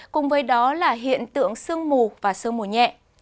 cùng với đó là hiện tượng sương mù và sương mù nhẹ